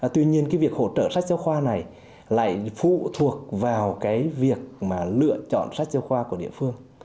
tuy nhiên việc hỗ trợ sách giáo khoa này lại phụ thuộc vào việc lựa chọn sách giáo khoa của địa phương